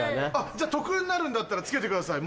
じゃ得になるんだったら付けてください